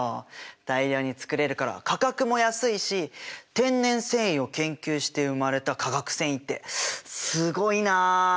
大量に作れるから価格も安いし天然繊維を研究して生まれた化学繊維ってすごいな。